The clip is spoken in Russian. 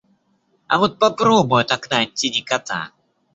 А вот попробуй — от окна оттяни кота.